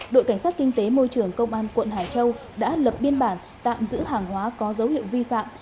đội cảnh sát kinh tế môi trường công an quận hải châu đã lập biên bản tạm giữ hàng hóa có dấu hiệu vi phạm